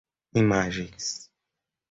imagens